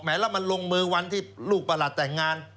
แล้วมันลงมือวันที่ลูกประหลัดแต่งงาน